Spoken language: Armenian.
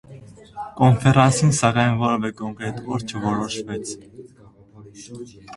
Կոնֆերանսին, սակայն որևէ կոնկրետ օր չորոշվեց։